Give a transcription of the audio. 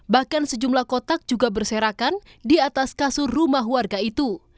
bahkan sejumlah kotak juga berserakan di atas kasur rumah warga itu